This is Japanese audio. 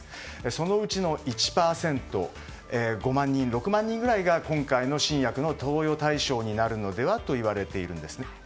そのうちの１％５万人、６万人ぐらいが今回の新薬の投与対象になるのではといわれているんです。